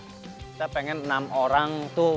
kita pengen enam orang tuh